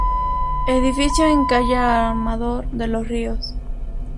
Edificio en calle Amador de los Ríos.